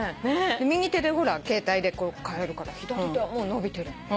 右手で携帯で買えるから左手はもう伸びてるの。